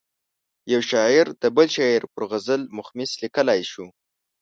یو شاعر د بل شاعر پر غزل مخمس لیکلای شو.